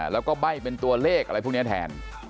แล้วก็ใบ้เป็นตัวเลขอะไรพวกนี้แทน